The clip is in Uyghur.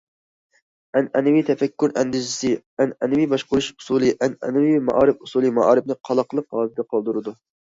ئەنئەنىۋى تەپەككۇر ئەندىزىسى، ئەنئەنىۋى باشقۇرۇش ئۇسۇلى، ئەنئەنىۋى مائارىپ ئۇسۇلى مائارىپنى قالاقلىق ھالىتىدە قالدۇرىدۇ.